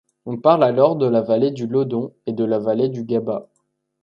On parle alors de la vallée du Laudon et de la vallée du Gabas.